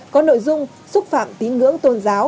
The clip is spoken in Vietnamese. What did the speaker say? có nội dung xúc phạm tín ngưỡng tôn giáo